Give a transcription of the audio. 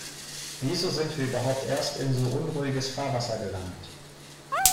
Wieso sind wir überhaupt erst in so unruhiges Fahrwasser gelangt?